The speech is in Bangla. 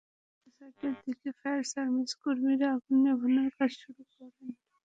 সকাল সাড়ে ছয়টার দিকে ফায়ার সার্ভিসের কর্মীরা আগুন নেভানোর কাজ শুরু করেন।